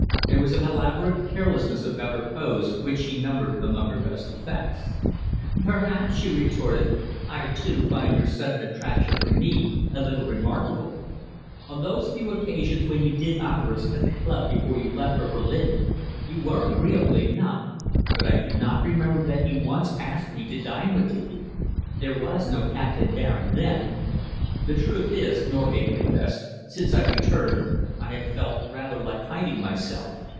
There was an elaborate carelessness about her pose which she numbered among her best effects. "Perhaps," she retorted, "I, too, find your sudden attraction for me a little remarkable. On those few occasions when you did honour us at the club before you left for Berlin, you were agreeable enough, but I do not remember that you once asked me to dine with you. There was no Captain Baring then." "The truth is," Norgate confessed, "since I returned, I have felt rather like hiding myself.